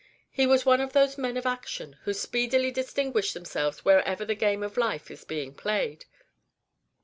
He was one of those men of action who speedily distinguish themselves wherever the game of life is being played.